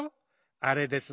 あれですね